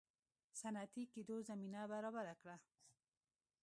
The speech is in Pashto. صنعتي کېدو زمینه برابره کړه.